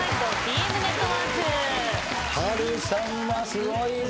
波瑠さんはすごいぞ！